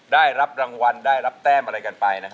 ได้รับรางวัลได้รับแต้มอะไรกันไป